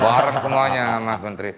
bareng semuanya mas menteri